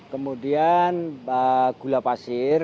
kemudian gula pasir